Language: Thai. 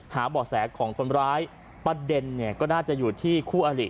บ่อแสของคนร้ายประเด็นเนี่ยก็น่าจะอยู่ที่คู่อลิ